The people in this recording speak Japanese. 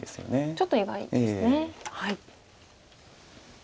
ちょっと意外ですね。